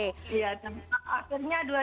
iya dan akhirnya dua ribu tujuh belas